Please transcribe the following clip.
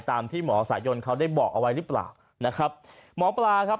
ตามที่หมอสายยนเขาได้บอกเอาไว้หรือเปล่านะครับหมอปลาครับ